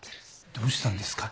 どうしたんですか？